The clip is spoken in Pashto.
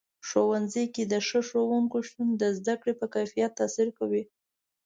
ښوونځي کې د ښه ښوونکو شتون د زده کړې په کیفیت تاثیر کوي.